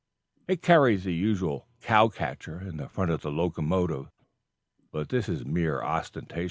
It carries the usual "cow catcher" in front of the locomotive, but this is mere ostentation.